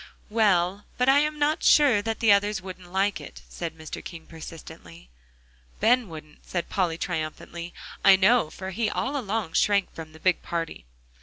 "Well, but I am not sure that the others wouldn't like it," said Mr. King persistently. "Ben wouldn't," said Polly triumphantly, "I know, for he all along shrank from the big party."